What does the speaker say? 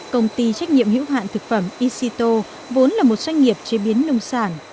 công ty trách nhiệm hữu hạn thực phẩm icto vốn là một doanh nghiệp chế biến nông sản